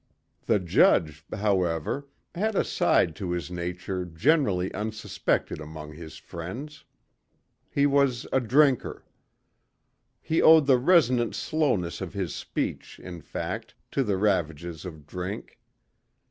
The judge, however, had a side to his nature generally unsuspected among his friends. He was a drinker. He owed the resonant slowness of his speech, in fact, to the ravages of drink.